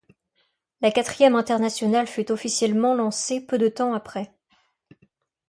La Quatrième Internationale fut officiellement lancée peu de temps après.